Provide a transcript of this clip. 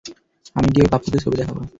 আমি গিয়ে ওই পাপ্পু কে ছবি দেখাবো।